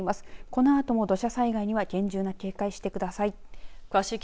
このあとも土砂災害には厳重な警戒してください。